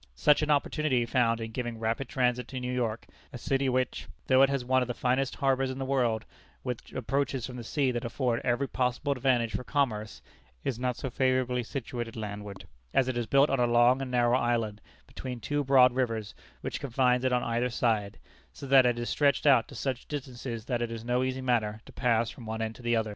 Such an opportunity he found in giving rapid transit to New York, a city which, though it has one of the finest harbors in the world, with approaches from the sea that afford every possible advantage for commerce, is not so favorably situated landward, as it is built on a long and narrow island, between two broad rivers, which confine it on either side, so that it is stretched out to such distances that it is no easy matter to pass from one end to the other.